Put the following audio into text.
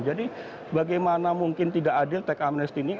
jadi bagaimana mungkin tidak adil tech amnesty ini